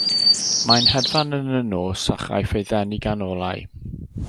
Mae'n hedfan yn y nos a chaiff ei ddenu gan olau.